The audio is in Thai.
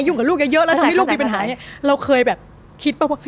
ยุ่งกับลูกเยอะแล้วทำให้ลูกมีปัญหาเนี้ยเราเคยแบบคิดเปล่าว่า